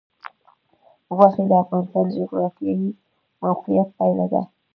غوښې د افغانستان د جغرافیایي موقیعت پایله ده.